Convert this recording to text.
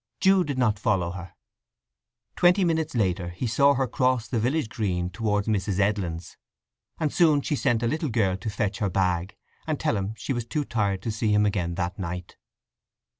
Jude did not follow her. Twenty minutes later he saw her cross the village green towards Mrs. Edlin's, and soon she sent a little girl to fetch her bag, and tell him she was too tired to see him again that night.